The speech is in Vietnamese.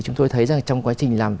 chúng tôi thấy trong quá trình làm